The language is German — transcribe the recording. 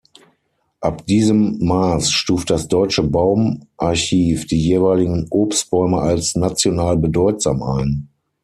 Ab diesem Maß stuft das Deutsche Baumarchiv die jeweiligen Obstbäume als "national bedeutsam" ein.